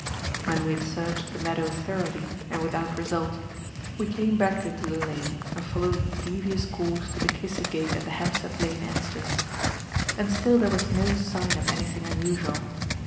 When we had searched the meadow thoroughly and without result, we came back into the lane and followed its devious course to the "kissing gate" at the Hampstead Lane entrance. And still there was no sign of anything unusual.